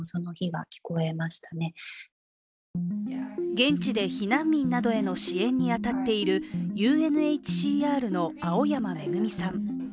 現地で避難民などへの支援に当たっているＵＮＨＣＲの青山愛さん。